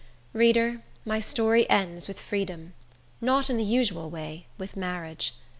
Reader, my story ends with freedom; not in the usual way, with marriage.